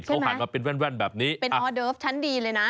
เขาหันมาเป็นแว่นแบบนี้อะใช่ไหมเป็นออเดอร์ฟชั้นดีเลยนะ